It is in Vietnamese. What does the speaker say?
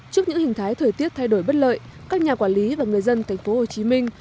trước những hình thái thời tiết thay đổi bất lợi các nhà quản lý và người dân thành phố hồ chí minh